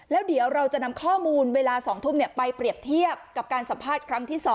แล้วเดี๋ยวเราจะนำข้อมูลเวลา๒ทุ่มไปเปรียบเทียบกับการสัมภาษณ์ครั้งที่๒